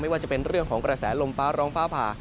ว่าจะเป็นเรื่องของกระแสลมฟ้าร้องฟ้าผ่า